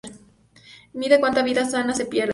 Mide cuánta vida sana se pierde.